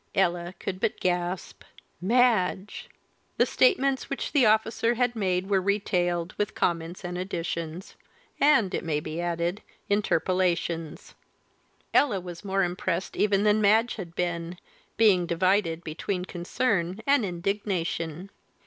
Ella could but gasp. "Madge!" The statements which the officer had made were retailed, with comments and additions and, it may be added, interpolations. Ella was more impressed even than Madge had been being divided between concern and indignation.